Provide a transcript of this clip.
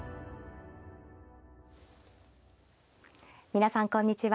皆さんこんにちは。